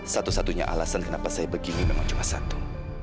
satu satunya alasan kenapa saya begini memang cuma satu